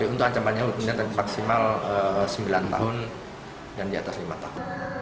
untuk ancaman hukuman maksimal sembilan tahun dan diatas lima tahun